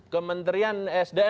kementerian sdm berjalan sendiri